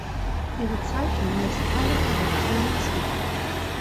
Ihre Zeichnung lässt keine Verwechslung zu.